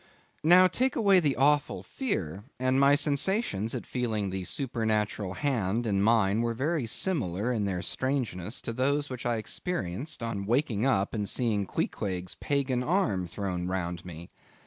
Now, take away the awful fear, and my sensations at feeling the supernatural hand in mine were very similar, in their strangeness, to those which I experienced on waking up and seeing Queequeg's pagan arm thrown round me.